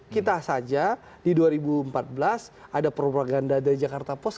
kita saja di dua ribu empat belas ada propaganda dari jakarta post